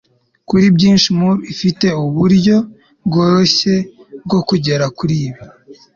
kuri byinshi moor ifite uburyo bworoshye bwo kugera kuri ibi